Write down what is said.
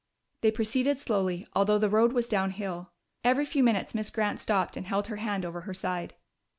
They proceeded slowly, although the road was downhill; every few minutes Miss Grant stopped and held her hand over her side.